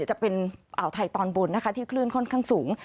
จะเป็นอ่าวไทยตอนบนนะคะที่คลื่นค่อนข้างสูง